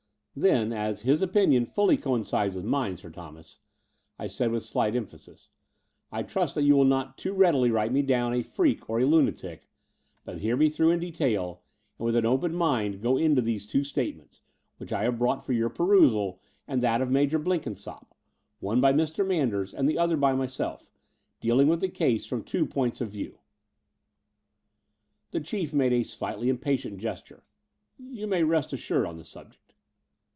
"Then, as his opinion fully coincides with mine. Sir Thomas," I said with slight emphasis, I trust that you will not too readily write me down a freak or a lunatic, but hear me through in detail, and with an open mind go into these two statements, which I have brought for your perusal and that of Major Blenkinsopp — one by Mr. Manders and the oliier by myself — dealing with Hie case from two points of view." The Chief made a slightly impatient gesture. "You may rest assured on the subject."